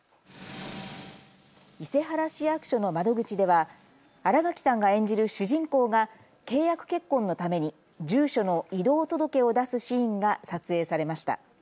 伊勢原市役所の窓口では新垣さんが演じる主人公が契約結婚のために住所の異動届を出すシーンが撮影されました。